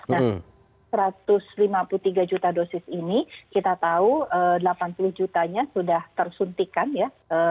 dan satu ratus lima puluh tiga juta dosis ini kita tahu delapan puluh jutanya sudah tersuntikan ya